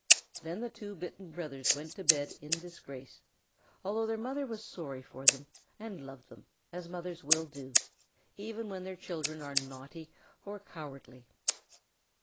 Then the two bitten brothers went to bed in disgrace, although their mother was sorry for them and loved them, as mothers will do, even when their children are naughty or cowardly.